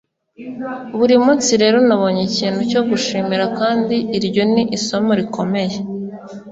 buri munsi rero, nabonye ikintu cyo gushimira kandi iryo ni isomo rikomeye